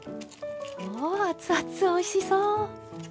うわ熱々おいしそう！